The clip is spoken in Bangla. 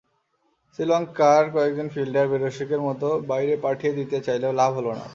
শ্রীলঙ্কার কয়েকজন ফিল্ডার বেরসিকের মতো বাইরে পাঠিয়ে দিতে চাইলেও লাভ হলো না।